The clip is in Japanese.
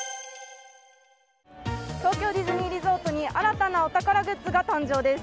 東京ディズニーリゾートに新たなお宝グッズが誕生です。